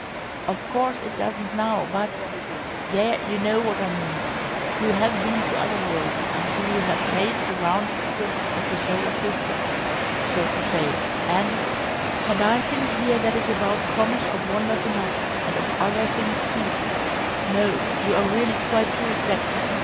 Of course it doesn't now, but there, you know what I mean. You'll have been to other worlds, you'll have made the round trip of the Solar System, so to say, and " "And I think, dear, that is about promise of wonders enough, and of other things too no, you are really quite too exacting.